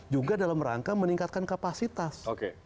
juga dalam rangka meningkatkan kapasitas